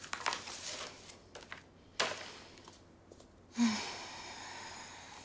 うん。